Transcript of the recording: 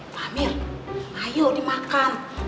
pak amir ayo dimakan